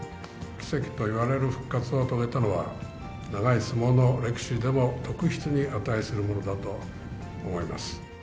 奇跡といわれる復活を遂げたのは、長い相撲の歴史でも特筆に値するものだと思います。